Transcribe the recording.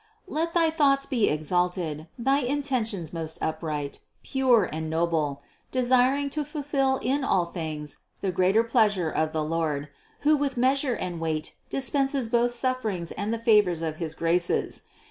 Let thy thoughts be 566 CITY OF GOD exalted, thy intentions most upright, pure and noble, desiring to fulfill in all things the greater pleasure of the Lord, who with measure and weight dispenses both sufferings and the favors of his graces.